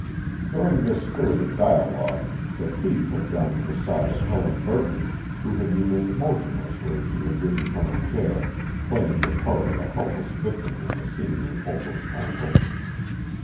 During this spirited dialogue the thief had gone to the side of Helen Burton, who had remained motionless where she had risen from her chair, playing the part of a helpless victim in the seemingly hopeless tangle.